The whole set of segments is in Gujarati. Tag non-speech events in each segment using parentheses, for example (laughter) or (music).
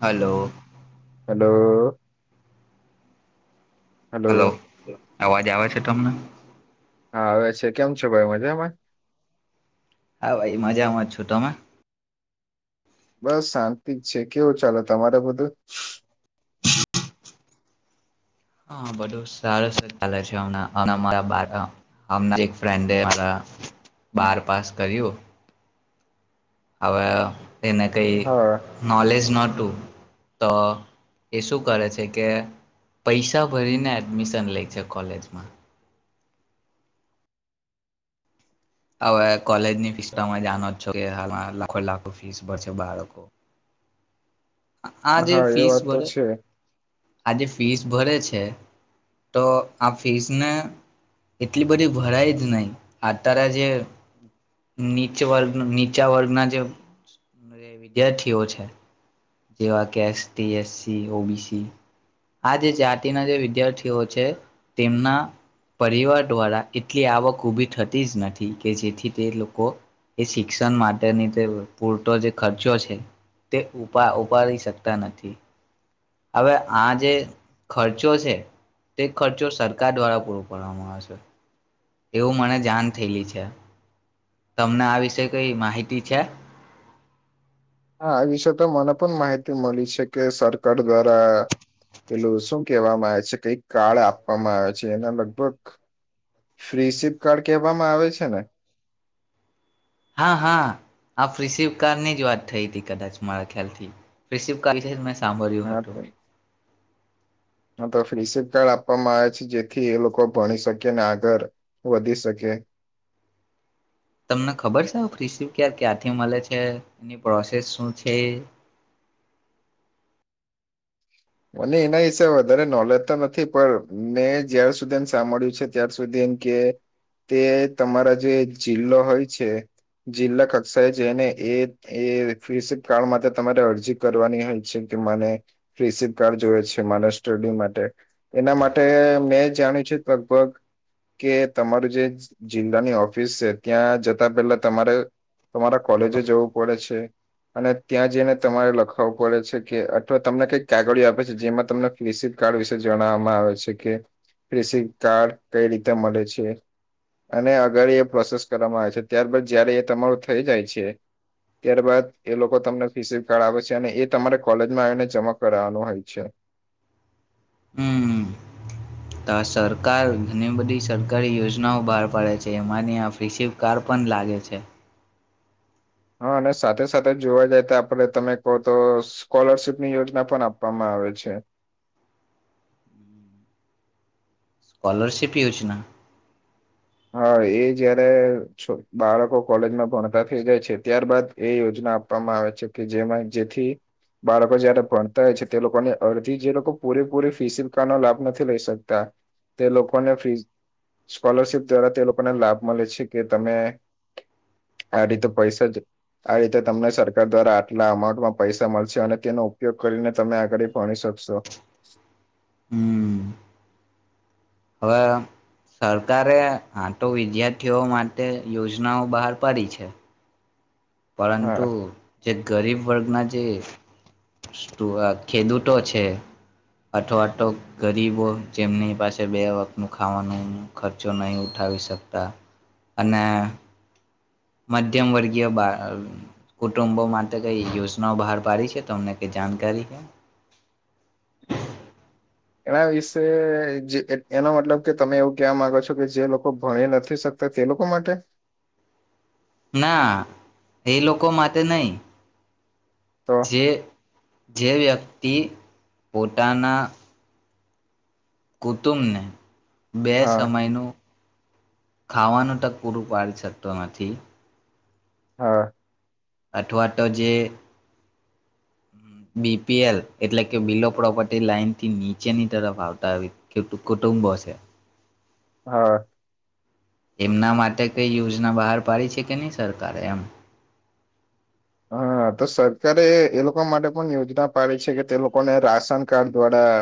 હલો હલો (unintelligible) હલો અવાજ આવે છે મટમના હા હવે છે કેમ છો ભાઈ મજામાં (inaudible) હા ભાઈ મજામાં જ છું તોમાં બસ શાંતિ જ છે કેવો ચાલે તમારે બધું હા બધું સારું ચાલે છે આમળા મારા બહાર ગામના જે ફ્રેન્ડ હે મારા બાર પાસ કર્યું. હવે. એ કઈ હા નૉલેજ નોટ. તો એ શું કરે છે કે પૈસા ભરીને એડમિશન લે છે કોલેજમાં. હવે કોલેજ ની ફીસ જાણો જ છો કે હાલ લાખો લાખો ફીસ ભરશે બાળકો. હા એ વાત તો છે. આજે ફીસ ભરે છે તો આ ફીસને એટલી બધી ભરાય જ નહી અતાર જે નીચે વર્ગ નીચા વર્ગના જે વિદ્યાર્થીઓ છે. જેવા કે એસ ટી એસસી ઓબીસી આ જે જાતિના જે વિદ્યાર્થીઓ છે તેમના પરિવાર દ્વારા એટલી આવક ઉઊભી થતી જ નથી કે જેથી તે લોકો એ શિક્ષણ માટેની તે પૂરતો જે ખર્ચો છે તે ઉપાડી શકતા નથી. હવે આ જે ખર્ચો છે તે ખર્ચો સરકાર દ્વારા પૂરો પાડવામાં આવે છે. એવું મને જાણ થયેલી છે તમને આ વિષ કઈ માહિતી છે. હા એ વિશે તો મને પણ માહિતી મળી છે કે સરકાર દ્વારા પેલું શું કહેવામાં આવે છે કઈ કાર્ડ આપવામાં આવે છે એના લગભગ ફ્રી સિપ કાર્ડ કહેવામાં આવે છે ને હા હા આપ રિસીવ કારની જ વાત. થઈ હતીથી કદાચ મારા ખ્યાલથી રિષિિવ (unintelligible) (unintelligible) હતું. હ તો ફ્રી સિપકાર્ડ આપવામાં આવે છે જેથી એ લોકો ભણી શકે અનેને આગળ વધી શકે. તમને ખબર છે રિસીિવ ક ક્યાંથી મળે છે એની પ્રોસેસ શું છે. મને એના હિસાે વધારે નોલેજ તો નથી પણ મેં જ્યાર સુધી એમ સાંભળ્યું છે ત્યાર સુધી એમ કે તે તમારા જે જિલ્લો હોય છે જિલ્લા કક્ષાએ જેને એ એ ફી કારડ માટે તમારે અરજી કરવાની હોય છે કે મને ફ સરકાર જોવે છે મારા સ્ટડી માટે. એના માટે મેં જાણ્યું છે લગભગ કે તમારું જે જિલ્લાની ઓફિસ છે ત્યાં જતા પહેલા તમારે તમારા કોલેજો જવું પડે છે. અને ત્યાં જઈને તમારે લખાવવું પડે છે કે અથવા તમને કઈક કાગળ આપ. જેમાં તમને કિષ કાર્ડ વિશે જણાવવામાં આવે છે કે (unintelligible) કાર્ડ કઈ રીતે મળે છે. અને અગર એ પ્રોસેસ કરવામાં આવે છે ત્યારબદ જયારે એ તમારું થઈ જાય છે ત્યારબદ એ લોકો તમને ફીસી કાર્ડ આવે છે અને એ તમારે કોલેજમાં આવીને જમા કરનું હોય. (inaudible) હમ તો આ સરકાર ઘણી બધી સરકારી યોજનાઓ બહાર પાડે છે એમાંની આ ફિસી કાર્ડ પણ લાગે છે. હા અને સાથે સાથે જોવા જાય તો આપને તમે કહો તો સ્કોલરશીપની યોજના પણ આપવામાં આવે છે. સ્કોલરશિપ યોજના. હા એ જયારે બાળકો કોલેજમાં ભણતા થઈ જાય છે ત્યાર બાદ એ યોજના આપવામાં આવે છે કે જેમાં જેથી બાળકો જયારે ભણતા હોય છે તે લોકોની અડધી જે લોકો પૂરેપૂરી ફી સિકકાનો લાભ નથી લઈ શકતા તે લોકોને ફી સ્કોલરશિપ દ્વારા તે લોકોને લાભ મળે છે કે તમે આ રીતે પૈસા આ રીતે તમને સરકાર દ્વારા આટલા અમાઉન્ટમાં પૈસા મળશે અને તેનો ઉપયોગ કરીને તમે આગળ ભણી શકશો. હમ. હવે સરકારે આ તો વિદ્યાર્થીઓ માટે યોજનાઓ બહાર પાડી છે. પરંતુ હા જે ગરીબ વર્ગના જે ખેડૂતો છે અથવાવાટ ગરીબો જેમની પાસે બે વખત ન ખાવાનો ખર્ચો નહી ઉઠાવી શકતા અને મધ્યમ વર્ગીય કુટુંબો માટે કઈ યોજનાઓ બહાર પાડી છે તમને કઈ જાણકારી છે. એના વિશે જે એનો મતલબ કે તમે એવું ક્યાવા માંગો છો કે જે લોકો ભણી નથી શકતા તે લોકો માટે. ના એ લોકો માટે નહી. તો જે જે વ્યક્તિ પોતાના. કુતુમને. બે હા સમયનું ખાવાનું ત પૂરું પાડી શકતો નથી. હા અથવા તો જે બીપીએલ એટલે કે બિલો પ્રોપર્ટી લાઈન થી નીચેની તરફ આવતા કુટુંબો છે. હા એમના માટે કઈ યોજના બહાર પાડી છે કે નહી સરકારે એમ? હા તો સરકારે એ લોકો માટે પણ યોજના પાડી છે કે તે લોકોને રાશન કાર્ડ દ્વારા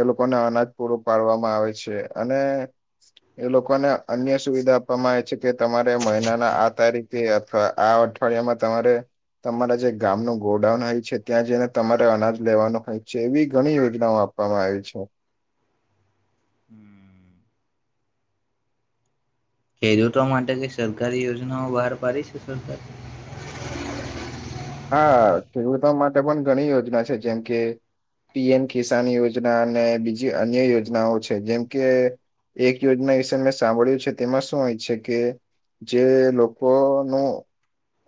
એ લોકોને અનાજ પૂરું પાડવામાં આવે છે. અને એ લોકોને અન્ય સુવિધા આપવામાં આવે છે. કે તમારે મહિનાના આ તારીખ તે અથવા આ અઠવાડિયામાં તમારે તમારા જે ગામનું ગોડાઉન હોય છે ત્યાં જઈને તમારે અનાજ લેવાનું હોય છે. એવી ઘણી યોજનાઓ આપવામાં આવી છે. ખેડૂતો માટે જે સરકારી યોજનાઓ બહાર પાડી છે સરકાર એ હા ખેડૂતો માટે માટે પણ ઘણી યોજના છે જેમ કે પીએમ કિસાન યોજના અને બીજી અન્ય યોજનાઓ છે. જેમ કે એક યોજના વિશે મેં સાંભળ્યું છે તેમાં શું હોય છે કે જે લોકો ન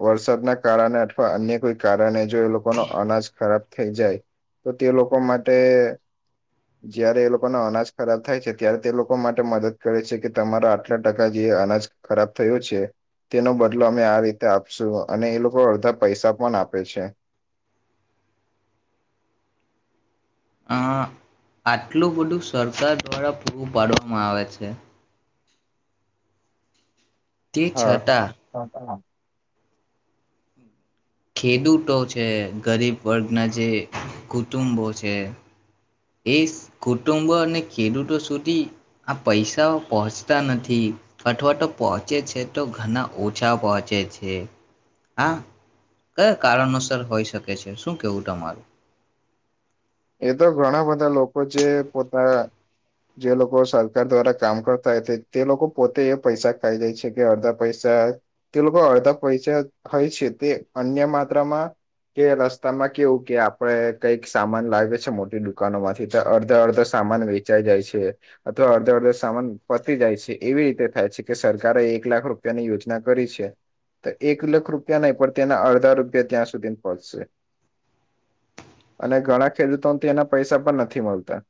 વરસાદના કારણે અન્ય કોઈ કારણે જો એ લોકો ન અનાજ ખરાબ થઈ જાય તો તે લોકો માટે જયારે એ લોકોના અનાજ ખરાબ થાય છે ત્યારે તે લોકો માટે મદદ કરે છે કે તમારા આટલા ટકા જે અનાજ ખરાબ થયયો છે તેનો બદલો અમે આ રીતે આપશું અને એ લોકો અડધા પૈસા પણ આપે છે. આ આટલું બધું સરકાર દ્વારા પૂરું પાડવામાં આવે છે. તે હા છતાં ખેડૂતો છે. ગરીબ વર્ગના જે કુટુંબો છે. એ કુટુંબો અને ખેડૂતો સુધી આ પૈસાઓ પહોંચતા નથી. અથવાટો પહોંચે છે તો ઘણા ઓછા પહોંચે છે. આ કયા કારણોસર હોઈ શકે છે? શું કેવું તમારું? એ તો ઘણા બધા લોકો કો જે પોતા જે લોકો સરકાર દ્વારા કામ કરતા તે લોકો પોતે એ પૈસા ખાઈ જે છે કે અડધા પૈસા તે લોકો અડધા પૈસા હોય છે તે અન્ય માત્રામાં કે રસ્તામાં કેવું કે આપણે કઈક સામાન લાવિ છે મોટી દુકાનો માંથી તો અડધા અડધા સામાન વેચાઈ જાય છે. અથવા અડધા અડધા સામાન પતી જાય છે. એવી રીતે થાય છે કે સરકારે એક લાખ રૂપિયાની યોજના કરી છે. તો એક લાખ રૂપ તે નહીં પણ તેના અડધા રૂપિયા ત્યાં સુધી પહંચશે. અને ઘણા ખેડૂતોથી એના પૈસા પણ નથી મળતા.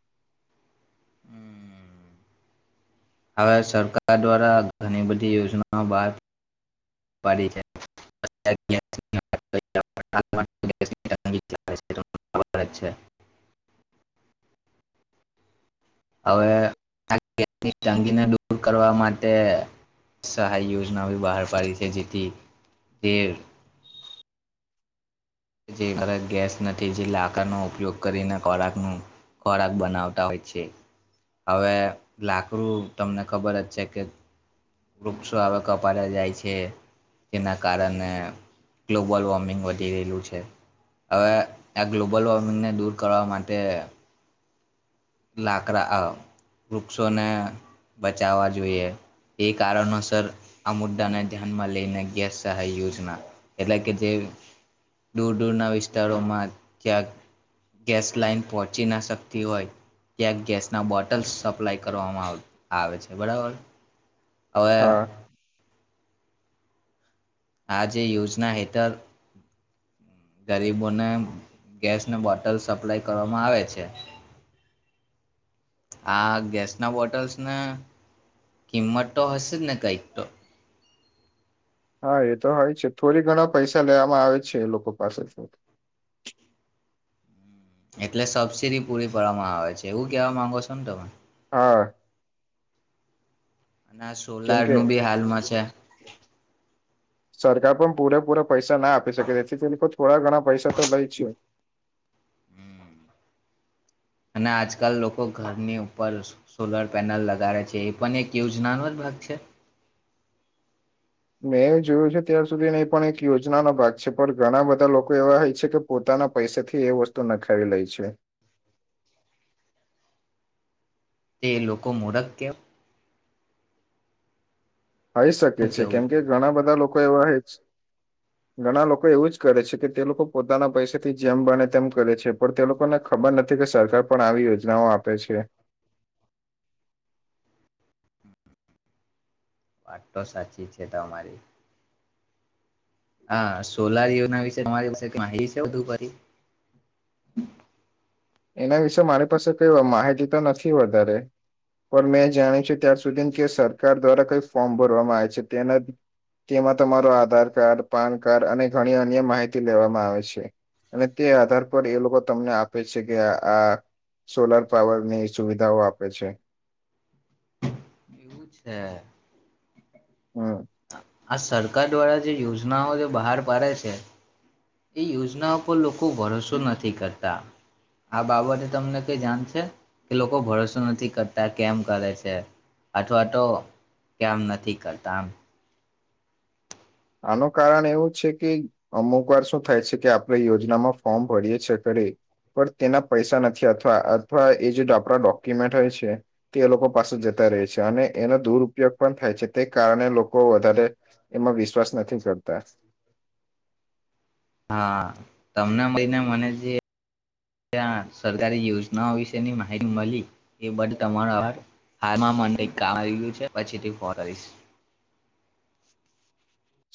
હવે સરકાર દ્વારા ઘણી બધી યોજનાઓ બહાર પાડી છે. (unintelligible) હવે તંગીને દૂર કરવા માટે સહાય યોજના બહાર પાડી છે જેથી તે જે ઘરે ગેસ નથી જે લાકડનો ઉપયોગ કરીને ખોરાક નુ ખોરાક બનાવતા હોય છે. હવે લાકડું તમને ખબર જ છે કે વૃક્ષો હવે કપાતા જાય છે. જેના કારણે ગ્લોબલ વોર્મિંગ વધી રહેલું છે. હવે, આ ગ્લોબલ વોર્મિંગને દૂર કરવા માટે લાકડા આ વૃક્ષોને બચાવવા જોઈએ. એ કારણોસર આ મુદ્દાને ધ્યાનમાં લઈને ગેસ સહાય યોજના એટલે કે જે, દૂર દૂરના વિસ્તારોમાં ક્યાં ગેસ લાઈન પહોંચી ના શકતી હોય ત્યા ગેસ ના, બોટલ્સ સપ્લાય કરવામાં આવ આવે છે, બરાબર? હવે! હા આ જે યોજના હેઠળ (unintelligible) ગરીબોને ગેસના બોટલ સપ્લાય કરવામાં આવે છે. (unintelligible) આ ગેસ ના બોટલ્સ ના, કિંમત તો હશે જ ને કઈ. (unintelligible) (unintelligible) હા! એ તો હોય છે. થોડી ઘણા પૈસા લેવામાં આવે છે, એ લોકો પાસેથી. એટલે સબસીિડી પૂરી પાડવામાં આવે છે. એવું કેવા માંગો છો ને તમે, (inaudible) ના, સોલાર કેમકે નું બી હાલમાં છે. સરકાર પણ પૂરેપૂરા પૈસા ના આપી શકે. તેથી તેની થોડા ઘણા પૈસા તો લઈ છું. (unintelligible) અને આજકાલ લોકો ઘરની ઉપર સો સોલર પેનલ લગાડે છે, એ પણ એક યોજનાનો જ ભાગ છે. મેં જોયું છે ત્યા સુધી નહી પણ એક યોજનાનો ભાગ છે. પણ ઘણા બધા લોકો એવા હોય છે કે, પોતાના પૈસેથી એ વસ્તુ નંખાવી લે છે. તે લોકો મુરખ કેવાય આઈ શકે શું છે કેમ કે, કેવું ઘણા બધા લોકો. કોઈ એવા હોય, ઘણા લોકો એવું જ કરે છે કે, તે લોકો પોતાના પૈસાથી જેમ બને તેમ કરે છે. પણ તે લોકોને ખબર નથી કે, સરકાર પણ આવી યોજનાઓ આપે છે. વાત તો સાચી છે તમારી, હા! સોલારીયો ના વિશે તમારી પાસે માહિતી છે. (inaudible) એના વિશે મારી પાસે કઈ માહિતી તો નથી વધારે, પણ મેં જાણી છે ત્યાર સુધી કે, સરકાર દ્વારા કંઈ ફોર્મ ભરવામાં આવે છે. તેના તેમાં તમારો આધાર કાર્ડ, પાન કાર્ડ અને ઘણી અન્ય માહિતી લેવામાં આવે છે. અને તે આધાર પર એ લોકો તમને આપે છે. કે આ સોલાર પાવરની સુવિધાઓ આપે છે. (unintelligible) છે. હમ હં આ સરકાર દ્વારા, જે યોજનાઓ જે બહાર પાડે છે. એ યોજના પર લોકો ભરોસો નથી કરતા. આ બાબતે તમને કઈ જાણ છે? એ લોકો ભરોસો નથી કરતા કેમ કરે છે? અથવા તો કેમ નથી કરતા આમ.? આનું કારણ એવું છે કે, અમુક વાર શું થાય છે? કે આપણે યોજનામાં ફોર્મ ભરીએ છે કરી પણ, તેના પૈસા નથી અથવા અથવા એ જે આપણા ડોક્યુમેન્ટ હોય છે, તે એ લોકો પાસે જતા રહે છે. અને એનો દુરપયોગ પણ થાય છે, તે કારણે લોકો વધારે એમાં વિશ્વાસ નથી કરતા. (unintelligible) હા તમને મળીને મને જે સરકારી યોજનાઓ વિશેની માહિતી મળી, એ બધ તમારા (inaudible) હ મને કામ આયું છે પછી થી ફોન કરીશ.